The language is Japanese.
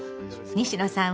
西野さん